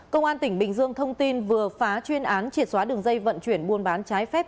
công an tỉnh bình dương thông tin vừa phá chuyên án triệt xóa đường dây vận chuyển buôn bán trái phép